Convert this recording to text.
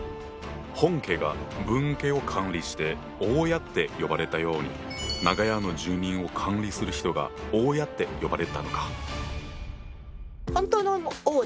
本家が分家を管理して「大家」って呼ばれたように長屋の住人を管理する人が「大家」って呼ばれたのか。